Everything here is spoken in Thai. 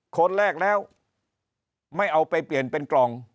คนแรกแล้วไม่เอาไปเปลี่ยนเป็นกล่อง